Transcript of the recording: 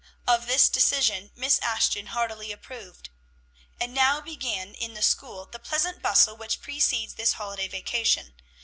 Of this decision Miss Ashton heartily approved. And now began in the school the pleasant bustle which precedes this holiday vacation.